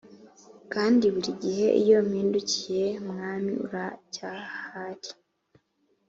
kandi burigihe iyo mpindukiye mwami uracyahari